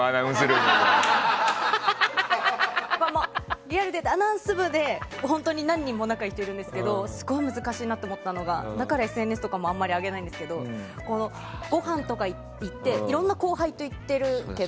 リアルで言うとアナウンス部で何人も仲いい人がいるんですけどすごく難しいなと思ったのがだからＳＮＳとかもあまり上げないんですけどごはんとか行っていろんな後輩と行ってるけど